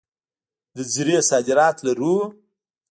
د زیرې صادرات لرو؟